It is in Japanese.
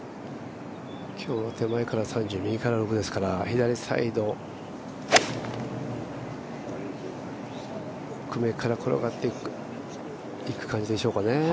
今日は手前から３０、右から６ですから、左サイド、奥から転がっていく感じでしょうかね。